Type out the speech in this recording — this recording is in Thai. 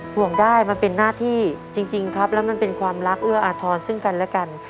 ห่วงได้มันเป็นหน้าที่จริงครับแล้วมันเป็นความรักเอื้ออาทรซึ่งกันและกัน